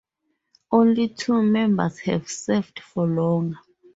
Only two members have served for longer.